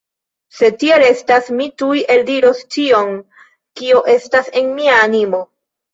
Se tiel estas, mi tuj eldiros ĉion, kio estas en mia animo.